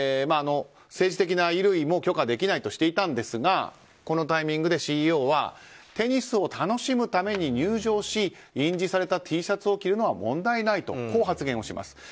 政治的な衣類も許可できないとしていたんですがこのタイミングでＣＥＯはテニスを楽しむために入場し印字されたＴシャツを着るのは問題ないと発言します。